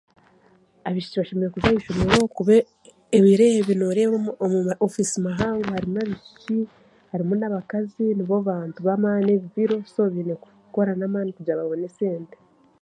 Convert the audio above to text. Abaishiki bashemereire kuza ahaishomero kuba ebiro ebi nooreeba omu ma ofiisi mahango harimu abaishiki, harimu n'abakazi nibo bantu b'amaani ebi biro, so biine kukora n'amaani kugira babone sente.